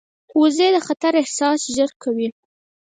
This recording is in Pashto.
وزې د خطر احساس ژر کوي